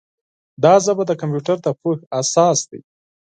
دا ژبه د کمپیوټر د پوهې اساس دی.